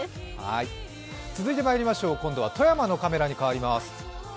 続いてまいりましょう今度は富山のカメラに変わります。